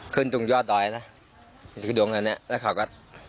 ขึ้นตรงยอดด๋อยนะดวงแบบเนี้ยแล้วเขาก็